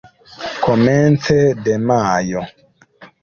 Komence de majo.